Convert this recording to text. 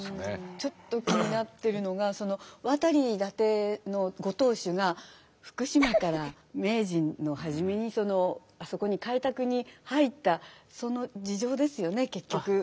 ちょっと気になってるのが亘理伊達のご当主が福島から明治の初めにあそこに開拓に入ったその事情ですよね結局。